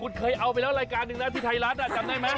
คุณเคยเอาไปแล้วรายการหนึ่งนะที่ไทยรัฐจำได้ไหม